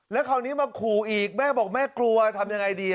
แล้วคราวนี้มาขู่อีกแม่บอกแม่กลัวทำยังไงดี